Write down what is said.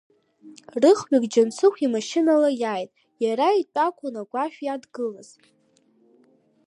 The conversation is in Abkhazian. Рых-ҩык Џьансыхә имашьынала иааит, иара итәакәын агәашә иадгылаз.